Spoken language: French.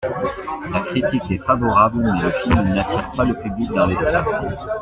La critique est favorable mais le film n'attire pas le public dans les salles.